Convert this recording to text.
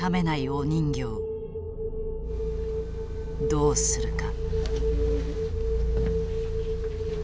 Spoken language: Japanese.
どうするか？